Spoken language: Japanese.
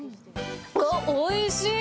あっ、おいしい！